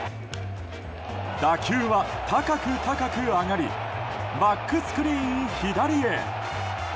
打球は高く高く上がりバックスクリーン左へ。